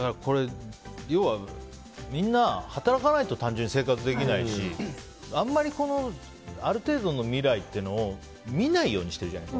要は、みんな働かないと単純に生活できないし、あんまりある程度の未来というのを見ないようにしているじゃない。